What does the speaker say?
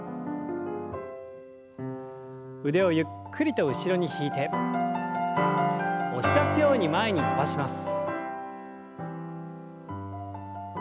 腕をゆっくりと後ろに引いて押し出すように前に伸ばします。